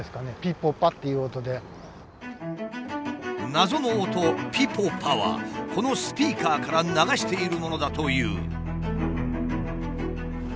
謎の音「ピポパ」はこのスピーカーから流しているものだという。